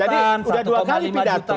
jadi udah dua kali pidato